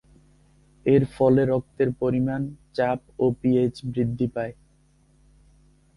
এর ফলে রক্তের পরিমাণ, চাপ ও পি.এইচ বৃদ্ধি পায়।